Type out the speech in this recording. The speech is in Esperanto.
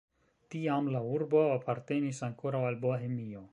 Tiam la urbo apartenis ankoraŭ al Bohemio.